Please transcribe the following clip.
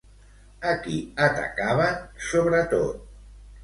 A qui atacaven sobretot?